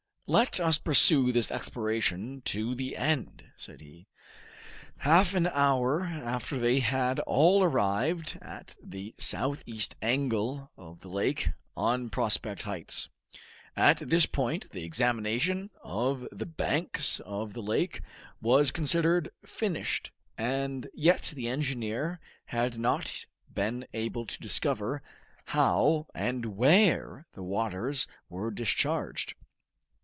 "Let us pursue this exploration to the end," said he. Half an hour after they had all arrived at the southeast angle of the lake, on Prospect Heights. At this point the examination of the banks of the lake was considered finished, and yet the engineer had not been able to discover how and where the waters were discharged.